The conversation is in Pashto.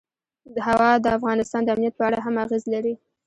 هوا د افغانستان د امنیت په اړه هم اغېز لري.